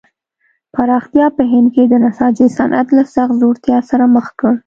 پراختیا په هند کې د نساجۍ صنعت له سخت ځوړتیا سره مخ کړ.